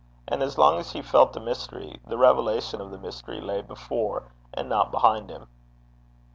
And as long as he felt the mystery, the revelation of the mystery lay before and not behind him.